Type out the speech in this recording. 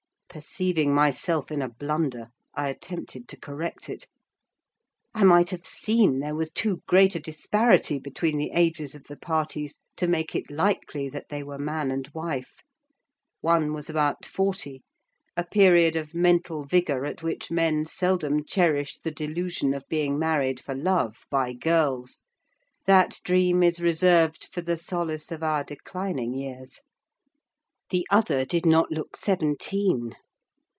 Perceiving myself in a blunder, I attempted to correct it. I might have seen there was too great a disparity between the ages of the parties to make it likely that they were man and wife. One was about forty: a period of mental vigour at which men seldom cherish the delusion of being married for love by girls: that dream is reserved for the solace of our declining years. The other did not look seventeen.